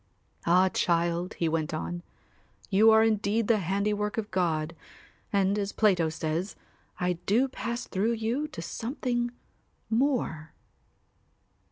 "Ah, child," he went on, "you are indeed the handiwork of God and, as Plato says, I do pass through you to something more."